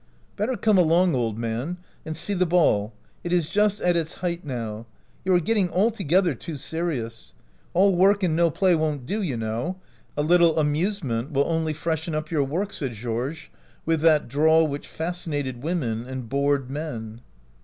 " Better come along, old man, and see the ball ; it is just at its height now. You are getting altogether too serious. All work and no play won't do, you know. A little amusement will only freshen up your work," said Georges, with that drawl which fasci nated women and bored men.